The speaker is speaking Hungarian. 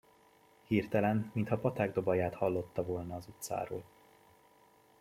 Hirtelen mintha paták dobaját hallotta volna az utcáról.